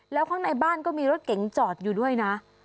แล้วข้างในบ้านก็มีรถเก๋งจอดอยู่ด้วยนะ